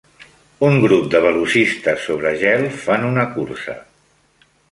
Un grup de velocistes sobre gel fan una cursa.